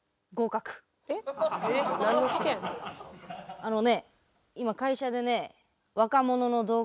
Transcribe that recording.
あのね